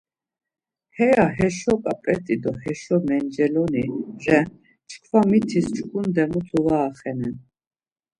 Heya heşo ǩap̌et̆i do heşo menceloni ren çkva mitis çkunde mutu va axenen.